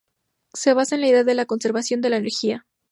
Se basa en la idea de la conservación de la energía.